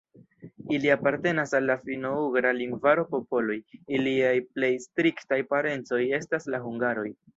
Ili apartenas al la finno-ugra lingvaro popoloj, iliaj plej striktaj parencoj estas la hungaroj.